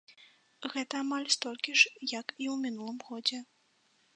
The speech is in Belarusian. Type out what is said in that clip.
Гэта амаль столькі ж, як і ў мінулым годзе.